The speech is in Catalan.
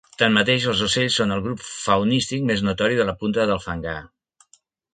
Tanmateix, els ocells són el grup faunístic més notori de la punta del Fangar.